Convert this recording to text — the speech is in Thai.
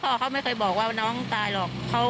พ่อเขาไม่เคยบอกว่าน้องตายหรอก